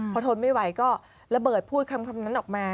พอทนไม่ไหวก็ระเบิดพูดคำนั้นออกมา